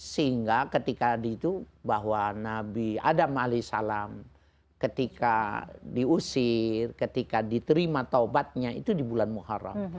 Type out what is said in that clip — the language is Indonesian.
sehingga ketika itu bahwa nabi adam alih salam ketika diusir ketika diterima taubatnya itu di bulan muharram